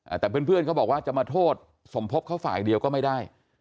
แต่เพื่อนเพื่อนเขาบอกว่าจะมาโทษสมภพเขาฝ่ายเดียวก็ไม่ได้